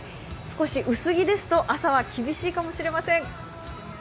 少し薄着ですと、朝は厳しいかもしれません。